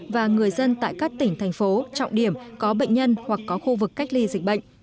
và người dân tại các tỉnh thành phố trọng điểm có bệnh nhân hoặc có khu vực cách ly dịch bệnh